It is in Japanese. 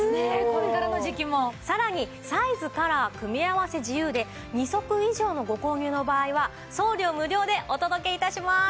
さらにサイズカラー組み合わせ自由で２足以上のご購入の場合は送料無料でお届け致します。